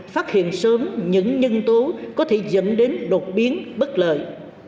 phát hiện sớm những nhân tố có thể dẫn đến đột biến bất lợi